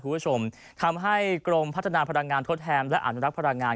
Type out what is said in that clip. คุณผู้ชมทำให้กรมพัฒนาพลังงานทดแทนและอนุรักษ์พลังงาน